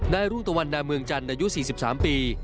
รุ่งตะวันนาเมืองจันทร์อายุ๔๓ปี